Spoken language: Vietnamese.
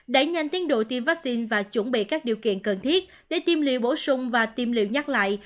đẩy nhanh tiến độ tiêm vaccine và chuẩn bị các điều kiện cần thiết để tiêm liều bổ sung và tiêm liều nhắc lại